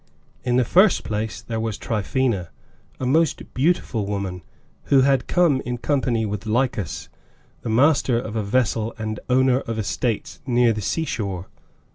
In the first place, there was Tryphaena, a most beautiful woman, who had come in company with Lycas, the master of a vessel and owner of estates near the seashore.